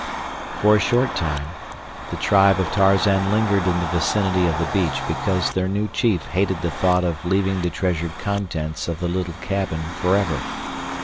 For a short time the tribe of Tarzan lingered in the vicinity of the beach because their new chief hated the thought of leaving the treasured contents of the little cabin forever.